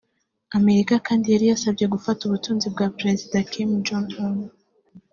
Amerika kandi yari yasabye gufata ubutunzi bwa Perezida Kim Jong-Un